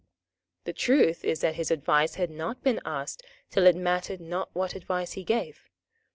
The truth is that his advice had not been asked till it mattered not what advice he gave.